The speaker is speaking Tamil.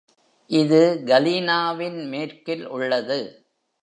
இது Galena-வின் மேற்கில் உள்ளது.